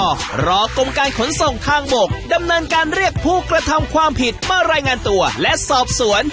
รอกรมการขนส่งทางบกดำเนินการเรียกผู้กระทำความผิดมารายงานตัวและสอบสวน